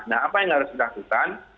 nah apa yang harus kita lakukan